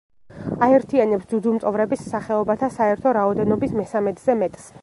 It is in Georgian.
აერთიანებს ძუძუმწოვრების სახეობათა საერთო რაოდენობის მესამედზე მეტს.